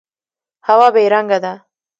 هوا بې رنګه ده.